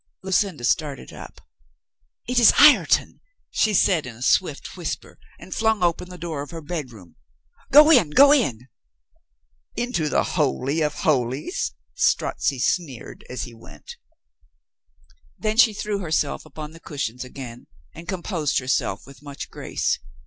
Lucinda started up. "It is Ireton!" she said in a swift whisper, and flung open the door of her bed room. "Go in, go in !" "Into the holy of holies?" Strozzi sneered as he went. Then she threw herself upon the cushions again and composed herself with much grace.